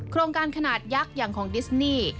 โครงการขนาดยักษ์อย่างของดิสนี่